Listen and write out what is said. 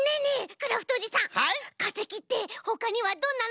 クラフトおじさんかせきってほかにはどんなのがあるの？